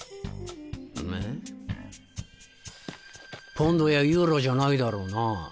ポンドやユーロじゃないだろうな？